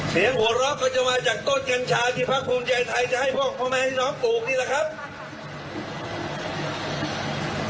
เสียงหัวเราะก็จะมาจากต้นกัญชาที่พระคุณเจย์ไทยจะให้พวกพระม่ายน้องปลูกนี่แหละครับ